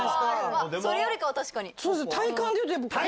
それよりかは確かに。